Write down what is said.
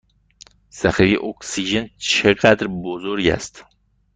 ذخیره اکسیژن چه قدر بزرگ است؟